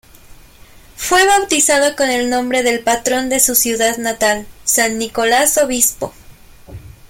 Fue bautizado con el nombre del patrón de su ciudad natal, San Nicolás Obispo.